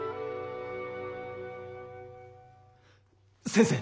先生！